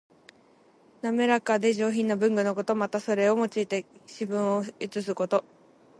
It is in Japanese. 清らかで上品な文具のこと。また、それを用いて詩文を写すこと。